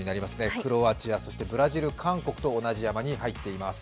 クロアチア、そしてブラジル韓国と同じ山に入っています。